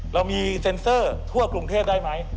เรามีเซ็นเซอร์ทั่วกรุงเทพได้ไหม